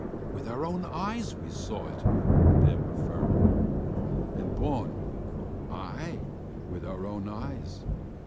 "With our own eyes we saw it," Bim affirmed. And Bawn "Ay, with our own eyes.